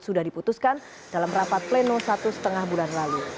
sudah diputuskan dalam rapat pleno satu lima bulan lalu